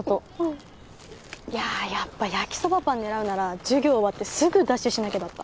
いややっぱ焼きそばパン狙うなら授業終わってすぐダッシュしなきゃだった。